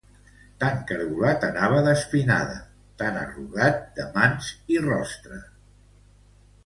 Tan caragolat anava d'espinada, tan arrugat de mans i rostre!